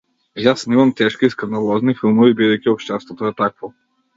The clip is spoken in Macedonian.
Јас снимам тешки и скандалозни филмови бидејќи општеството е такво.